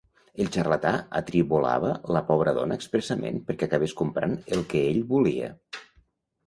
El xarlatà atribolava la pobra dona expressament perquè acabés comprant el que ell volia.